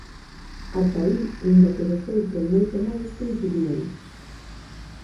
Ata aí, aínda que de feito en moito máis, coincidían.